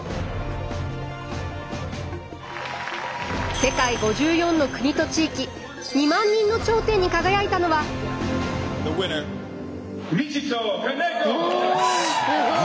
世界５４の国と地域２万人の頂点に輝いたのは。わすごい。